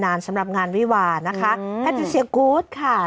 นานสำหรับงานวิวาลนะคะแพทริเซียคู๊สค่ะ